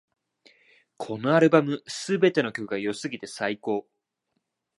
このアルバム、すべての曲が良すぎて最高